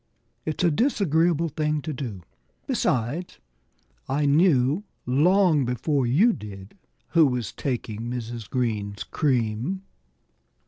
"It's a disagreeable thing to do.... Besides, I knew long before you did who was taking Mrs. Green's cream."